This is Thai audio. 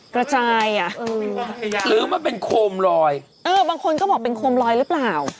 กระจายอ่ะหรือมันเป็นโคมลอยเออบางคนก็บอกเป็นโคมลอยหรือเปล่า